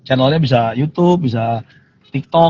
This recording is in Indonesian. channelnya bisa youtube bisa tiktok